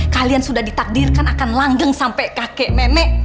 kalian sudah ditakdirkan akan langgeng sampai kakek nenek